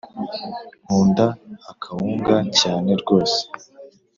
Nkunda akawunga cyane rwose